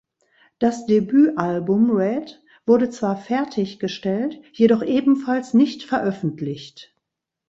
Das Debütalbum "Red" wurde zwar fertiggestellt, jedoch ebenfalls nicht veröffentlicht.